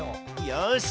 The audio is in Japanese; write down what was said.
よし！